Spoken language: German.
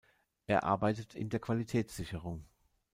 Er arbeitet in der Qualitätssicherung.